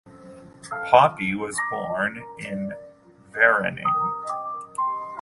Poppy was born in Vereeniging.